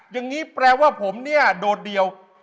อย่างนี้แปลว่าผมเนี่ยโดดเดียว